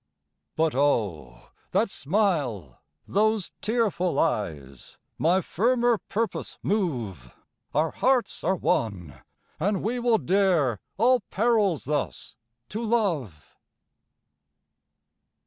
But oh, that smile those tearful eyes, My firmer purpose move Our hearts are one, and we will dare All perils thus to love!